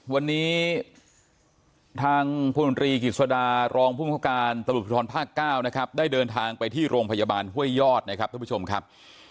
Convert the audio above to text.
วันนี้ทางพลุนตรีกฤษฎารองภูมิประการตระบุพลธรพขได้เดินทางไปที่โรงพยาบาลห้วยยอดนะครับท่านผู้ชมครับ